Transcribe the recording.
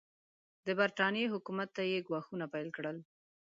د برټانیې حکومت ته یې ګواښونه پیل کړل.